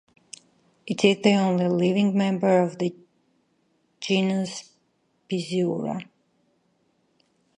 It is the only living member of the genus "Biziura".